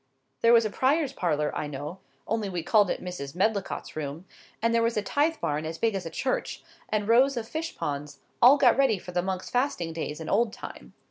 There was a prior's parlour, I know—only we called it Mrs. Medlicott's room; and there was a tithe barn as big as a church, and rows of fish ponds, all got ready for the monks' fasting days in old time.